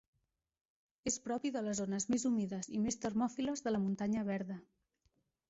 És propi de les zones més humides i més termòfiles de la muntanya verda.